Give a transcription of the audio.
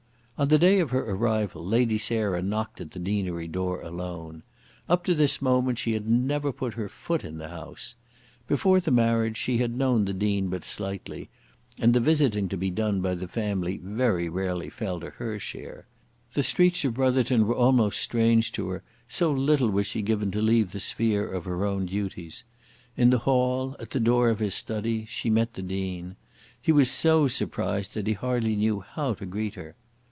On the day of her arrival Lady Sarah knocked at the deanery door alone. Up to this moment she had never put her foot in the house. Before the marriage she had known the Dean but slightly, and the visiting to be done by the family very rarely fell to her share. The streets of Brotherton were almost strange to her, so little was she given to leave the sphere of her own duties. In the hall, at the door of his study, she met the Dean. He was so surprised that he hardly knew how to greet her.